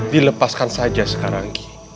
dilepaskan saja sekarang ki